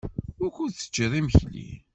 Wukud teččiḍ imekli?